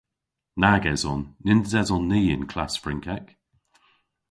Nag eson. Nyns eson ni y'n klass Frynkek.